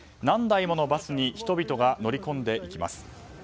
何台ものバスに人々が乗り込んでいきます。